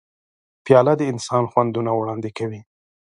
پیاله د انسان خوندونه وړاندې کوي.